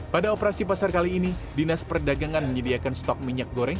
pada operasi pasar kali ini dinas perdagangan menyediakan stok minyak goreng